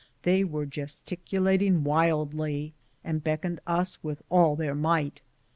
They were gesticulat ing wildly, and beckoning to us with all their might.